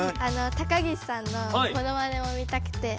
高岸さんのモノマネも見たくて。